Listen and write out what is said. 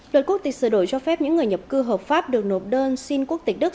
luật quốc tịch sửa đổi cho phép những người nhập cư hợp pháp được nộp đơn xin quốc tịch đức